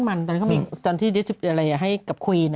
แต่ตอนที่ที่อะไรให้กับควีน